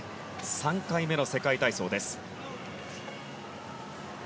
３回目の世界体操です。